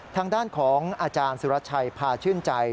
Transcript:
ทางด้านของอาจารย์สุรชัยพาชื่นใจ